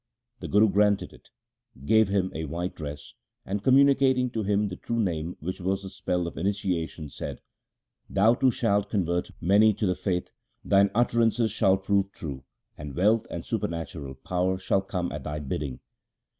The Guru granted it, gave him a white dress, and communicating to him the true Name which was the spell of initiation said, ' Thou too shalt convert many to the faith, thine utterances shall prove true, and wealth and supernatural power shall come at thy bidding.'